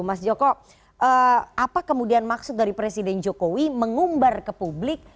mas joko apa kemudian maksud dari presiden jokowi mengumbar ke publik